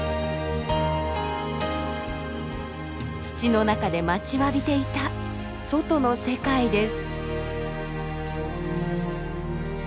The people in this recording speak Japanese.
土の中で待ちわびていた外の世界です。